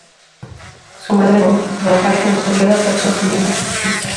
Su madre tuvo que trabajar como criada para sostener a la familia.